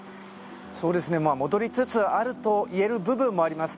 戻りつつあるといえる部分もあります。